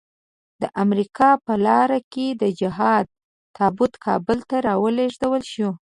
د امريکا په لارۍ کې د جهاد تابوت کابل ته ولېږدول شو.